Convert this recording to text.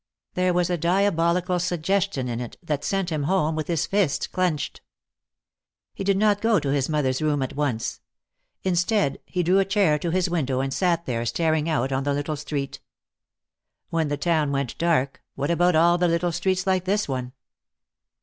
There was a diabolical suggestion in it that sent him home with his fists clenched. He did not go to his mother's room at once. Instead, he drew a chair to his window and sat there staring out on the little street. When the town went dark, what about all the little streets like this one?